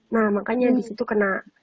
nah makanya disitu kena